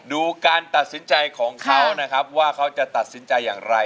ดูการตัดสินใจของเขานะครับว่าเขาจะตัดสินใจอย่างไร